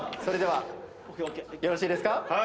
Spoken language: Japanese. それではよろしいですか？